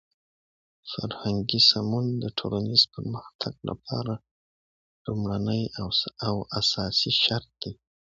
فرهنګي سمون د ټولنیز پرمختګ لپاره لومړنی او اساسی شرط دی.